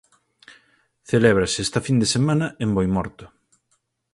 Celébrase esta fin de semana en Boimorto.